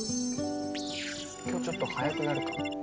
今日ちょっと早くなるかも。